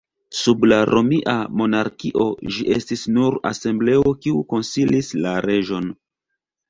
Sub la Romia monarkio, ĝi estis nur asembleo kiu konsilis la reĝon.